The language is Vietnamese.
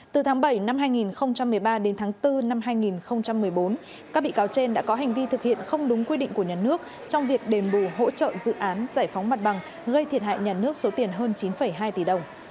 từ tháng bảy năm hai nghìn một mươi ba đến tháng bốn năm hai nghìn một mươi bốn các bị cáo trên đã có hành vi thực hiện không đúng quy định của nhà nước trong việc đền bù hỗ trợ dự án giải phóng mặt bằng gây thiệt hại nhà nước số tiền hơn chín hai tỷ đồng